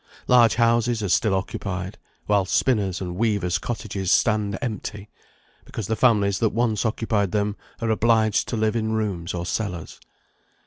Large houses are still occupied, while spinners' and weavers' cottages stand empty, because the families that once occupied them are obliged to live in rooms or cellars.